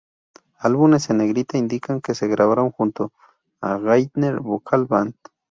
Álbumes en negrita indican que se grabaron junto a Gaither Vocal Band.